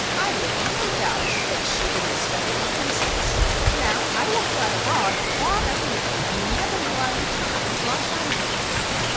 I make no doubt but that she has stolen the Princess. Now I will fly abroad far and near, and never will I return until I find her."